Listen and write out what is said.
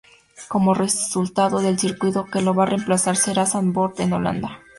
Como resultado, el circuito que lo va a reemplazar será Zandvoort en Holanda.